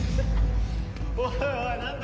おいおいなんだ？